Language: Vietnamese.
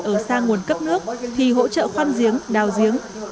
ở xa nguồn cấp nước thì hỗ trợ khoan giếng đào giếng